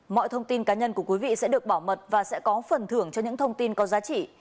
mọi thông tin cá nhân của quý vị sẽ được bảo mật và sẽ có phần thưởng cho những thông tin có giá trị